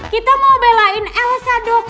kita mau belain elsa dok